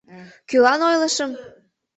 — Кӧлан ойлышым?